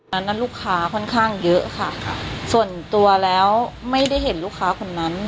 นั้นลูกค้าค่อนข้างเยอะค่ะส่วนตัวแล้วไม่ได้เห็นลูกค้าคนนั้น